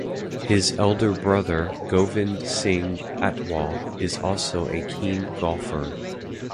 His elder brother Govind Singh Atwal is also a keen golfer.